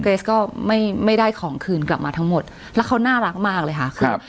เกรสก็ไม่ไม่ได้ของคืนกลับมาทั้งหมดแล้วเขาน่ารักมากเลยค่ะครับ